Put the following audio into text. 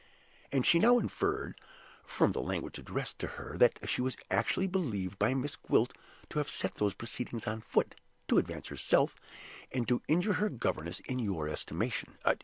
And she now inferred, from the language addressed to her, that she was actually believed by Miss Gwilt to have set those proceedings on foot, to advance herself, and to injure her governess, in your estimation.